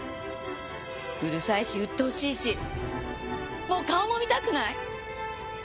うるさいしうっとうしいしもう顔も見たくない！